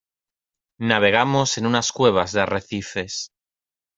navegamos en unas cuevas de arrecifes.